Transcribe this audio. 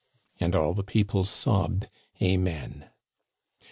And all the people sobbed, " Amen."